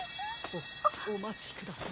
おおまちください。